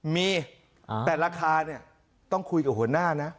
มีแต่ราคาเนี่ยต้องคุยกับหัวหน้านะ